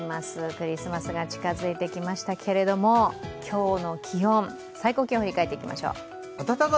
クリスマスが近づいてきましたけれども、今日の気温、最高気温を振り返っていきましょう。